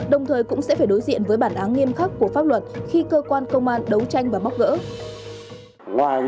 đồng thời cũng sẽ phải đối diện với bản án nghiêm khắc của pháp luật khi cơ quan công an đấu tranh và bóc gỡ